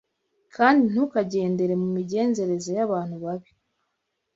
Kandi ntukagendere mu migenzereze y’abantu babi